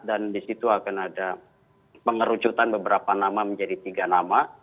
dan di situ akan ada pengerucutan beberapa nama menjadi tiga nama